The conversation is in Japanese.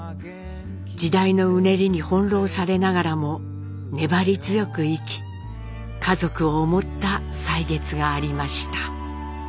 時代のうねりに翻弄されながらも粘り強く生き家族を思った歳月がありました。